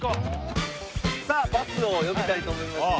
さあバスを呼びたいと思いますので。